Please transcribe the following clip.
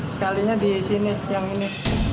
sekalinya di sini yang ini